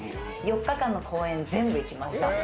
４日間の公演、全部行きました。